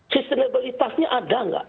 sistemabilitasnya ada nggak